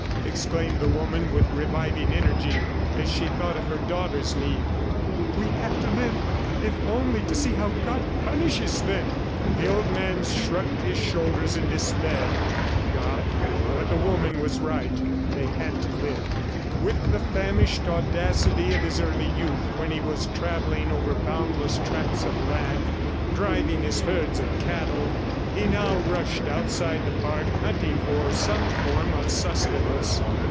exclaimed the woman with reviving energy as she thought of her daughter's need. "We have to live, if only to see how God punishes them!" The old man shrugged his shoulders in despair; God? ... But the woman was right; they had to live. With the famished audacity of his early youth, when he was travelling over boundless tracts of land, driving his herds of cattle, he now rushed outside the park, hunting for some form of sustenance.